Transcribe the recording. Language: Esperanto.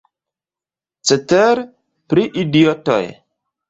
Cetere, pri idiotoj.